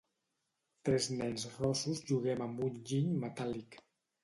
Tres nens rossos juguem amb un giny metàl·lic.